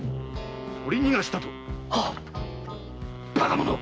とり逃がしたと⁉バカ者！